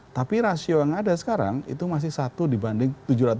tapi rasio yang ada sekarang itu masih satu dibanding tujuh ratus